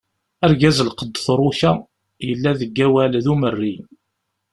Argaz lqedd tṛuka, yella deg awal d Umerri.